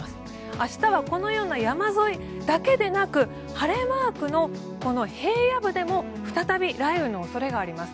明日はこのような山沿いだけでなく晴れマークのこの平野部でも再び雷雨の恐れがあります。